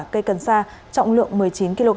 cây cần sa trọng lượng một mươi chín kg